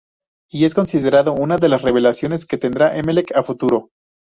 Y es considerado una de las revelaciones que tendrá Emelec a futuro.